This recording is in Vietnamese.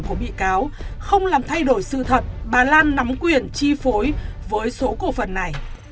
của bị cáo không làm thay đổi sự thật bà lan nắm quyền chi phối với số cổ phần này